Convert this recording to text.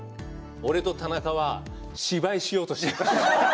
俺と田中は芝居しようとしています。